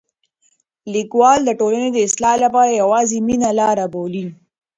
لیکوال د ټولنې د اصلاح لپاره یوازې مینه لاره بولي.